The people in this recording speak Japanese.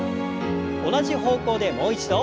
同じ方向でもう一度。